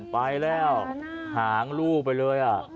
ไปแล้วหางลูกไปเลย